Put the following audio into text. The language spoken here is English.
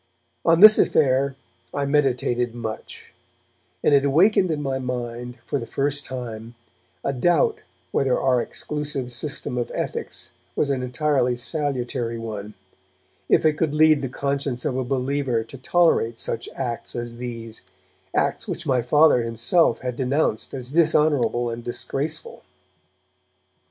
On this affair I meditated much, and it awakened in my mind, for the first time, a doubt whether our exclusive system of ethics was an entirely salutary one, if it could lead the conscience of a believer to tolerate such acts as these, acts which my Father himself had denounced as dishonourable and disgraceful.